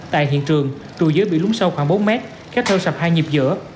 tại hiện trường trụ dưới bị lúng sâu khoảng bốn mét kéo theo sập hai nhịp giữa